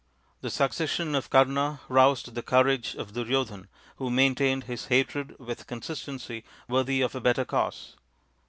The succession of Kama roused the courage of Duryodhan, who maintained his hatred with con sistency worthy of a better cause.